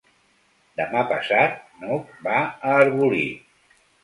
Demà passat n'Hug va a Arbolí.